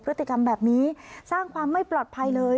พฤติกรรมแบบนี้สร้างความไม่ปลอดภัยเลย